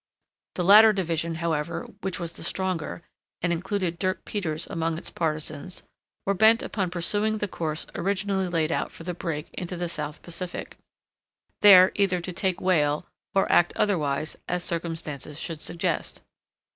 The latter division, however, which was the stronger, and included Dirk Peters among its partisans, were bent upon pursuing the course originally laid out for the brig into the South Pacific; there either to take whale, or act otherwise, as circumstances should suggest.